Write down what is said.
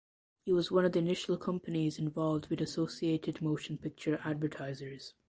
It was one of the initial companies involved with Associated Motion Picture Advertisers.